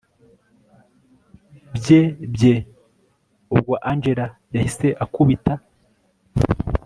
bye bye ubwo angella yahise akubita